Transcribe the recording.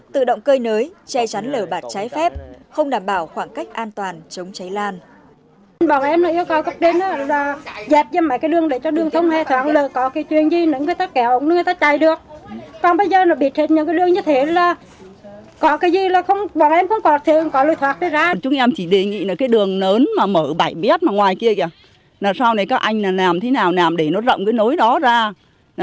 tự động cơi nới che chắn lở bạt cháy phép không đảm bảo khoảng cách an toàn chống cháy lan